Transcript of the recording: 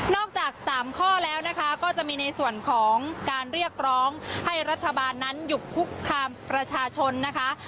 จาก๓ข้อแล้วนะคะก็จะมีในส่วนของการเรียกร้องให้รัฐบาลนั้นหยุดคุกคามประชาชนนะคะ